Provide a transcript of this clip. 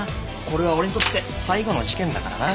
これは俺にとって最後の事件だからな。